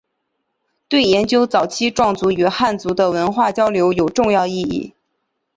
对研究早期壮族与汉族的文化交流有重要意义。